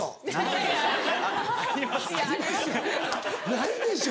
ないでしょ。